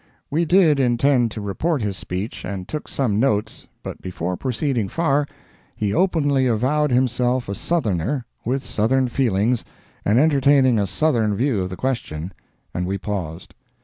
We did intend to report his speech, and took some notes, but, before proceeding far, he openly avowed himself a Southerner, with Southern feelings, and entertaining a Southern view of the question, and we paused.